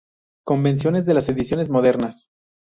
Convenciones de las ediciones modernas.